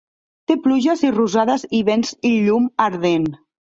Té pluges i rosades i vents i llum ardent.